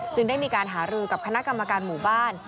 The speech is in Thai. ได้มีการหารือกับคณะกรรมการหมู่บ้าน